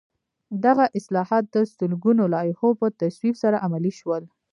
دغه اصلاحات د سلګونو لایحو په تصویب سره عملي شول.